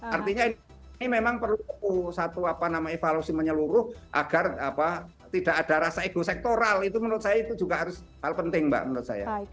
artinya ini memang perlu satu evaluasi menyeluruh agar tidak ada rasa ego sektoral itu menurut saya itu juga harus hal penting mbak menurut saya